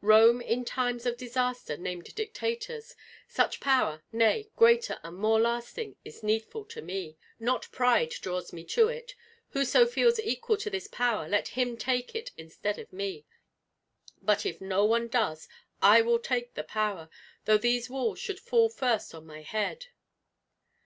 Rome in times of disaster named dictators, such power, nay, greater and more lasting, is needful to me. Not pride draws me to it, whoso feels equal to this power let him take it instead of me. But if no one does I will take the power, though these walls should fall first on my head!"